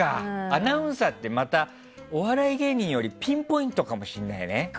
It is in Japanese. アナウンサーってお笑い芸人よりピンポイントかもしれないね。